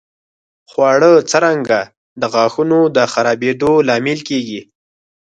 خواړه څرنګه د غاښونو د خرابېدو لامل کېږي؟